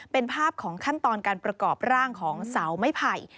เป็นภาพของขั้นตอนการประกอบร่างของเสาไม้ไผ่